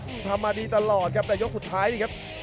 ทำมาดีตลอดครับแต่ยกสุดท้ายนี่ครับ